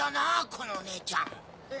このねえちゃん。